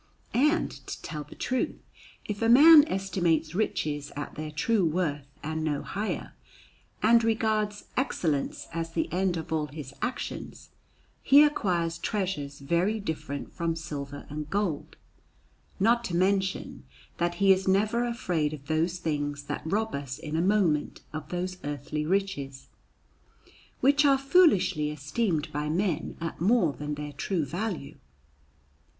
And, to tell the truth, if a man estimates riches at their true worth and no higher, and regards excellence as the end of all his actions, he acquires treasures very different from silver and gold; not to mention that he is never afraid of those things that rob us in a moment of those earthly riches, which are foolishly esteemed by men at more than their true value.